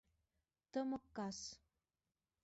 Тымык кас —